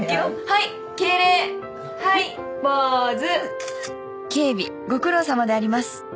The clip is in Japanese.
はい敬礼はいポーズ